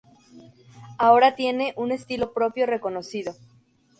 Ahora tiene un estilo propio reconocido.